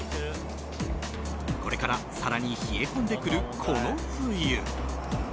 これから更に冷え込んでくるこの冬。